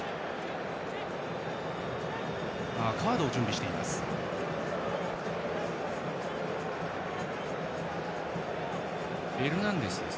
カードを準備しています。